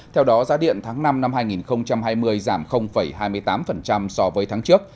theo đó giá điện tháng năm năm hai nghìn hai mươi giảm hai mươi tám so với tháng trước